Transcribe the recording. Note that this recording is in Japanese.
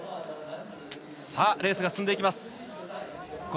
レースが進んでいきます。